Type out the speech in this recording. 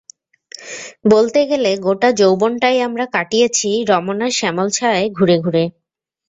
বলতে গেলে গোটা যৌবনটাই আমরা কাটিয়েছি রমনার শ্যামল ছায়ায় ঘুরে ঘুরে।